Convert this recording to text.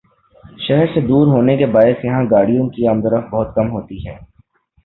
شہر سے دور ہونے کے باعث یہاں گاڑیوں کی آمدورفت بہت کم ہوتی ہے ۔